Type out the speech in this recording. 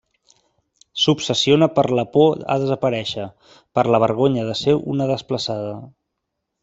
S'obsessiona per la por a desaparèixer, per la vergonya de ser una desplaçada.